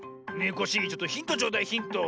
コッシーちょっとヒントちょうだいヒント。